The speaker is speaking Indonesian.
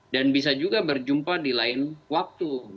dan bisa juga berjumpa di lain waktu